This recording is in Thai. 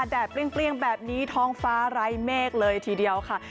แดดเปรี้ยงแบบนี้ท้องฟ้าไร้เมฆเลยทีเดียวค่ะ